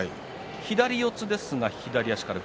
左四つですが左足から？